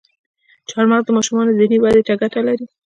چارمغز د ماشومانو ذهني ودې ته ګټه لري.